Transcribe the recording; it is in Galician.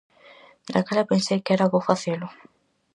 Daquela pensei que era bo facelo.